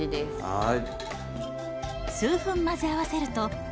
はい。